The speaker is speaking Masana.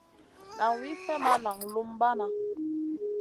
Nan wi slèh ma naŋ lumbana.